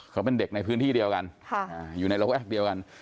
เขาเป็นเด็กในพื้นที่เดียวกันอยู่ในระแวกเดียวกัน